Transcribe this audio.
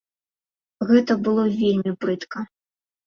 Гэта было вельмі брыдка.